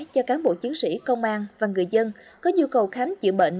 cho cán bộ chiến sĩ công an và người dân có nhu cầu khám chữa bệnh